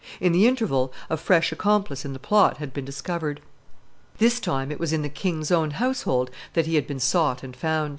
In the interval, a fresh accomplice in the plot had been discovered. This time it was in the king's own household that he had been sought and found.